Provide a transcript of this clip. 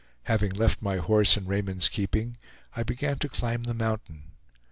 Having left my horse in Raymond's keeping, I began to climb the mountain.